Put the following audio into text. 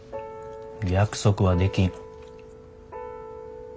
約束はできん。